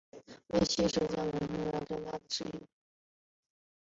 为谢氏成为江左高门大族取得方镇实力。